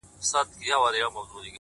د نظرونو په بدل کي مي فکرونه راوړل،